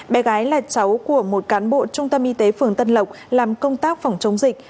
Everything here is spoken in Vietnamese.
bé gái là cháu của một cán bộ trung tâm y tế phường tân lộc làm công tác phòng chống dịch